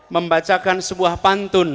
membacakan sebuah pantun